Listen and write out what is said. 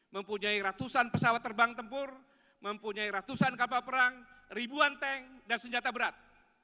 mempunyai ratusan pesawat terbang tempur mempunyai ratusan kapal perang ribuan tank dan senjata berat